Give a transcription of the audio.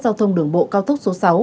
giao thông đường bộ cao tốc số sáu